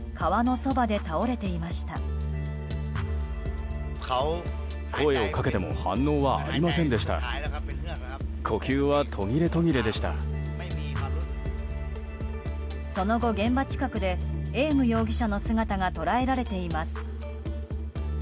その後、現場近くでエーム容疑者の姿が捉えられています。